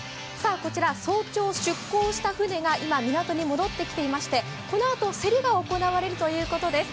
こちら早朝出航した船が今、港に戻ってきていまして、このあと競りが行われるということです。